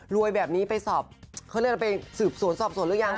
รวยแบบนี้ไปสอบเขาเล่าละไปสืบโสนสอบโสนหรือยัง